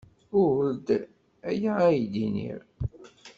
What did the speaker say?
Ur d aya ay d-nniɣ.